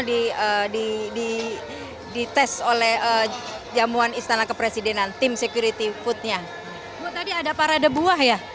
di di di test oleh jamuan istana kepresidenan tim security foodnya tadi ada parade buah ya